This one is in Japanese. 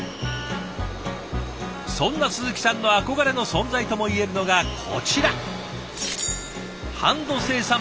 そんな鈴木さんの憧れの存在ともいえるのがこちら。